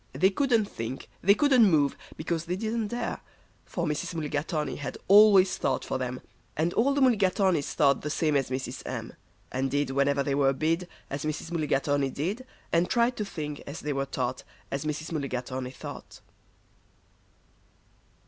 They couldn't think, they couldn't move, because they didn't dare; For Mrs. Mulligatawny had always thought for them, And all the Mulligatawnys thought the same as Mrs. M., And did, whenever they were bid, As Mrs. Mulligatawny did, And tried to think, as they were taught, As Mrs. Mulligatawny thought.